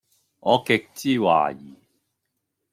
我極之懷疑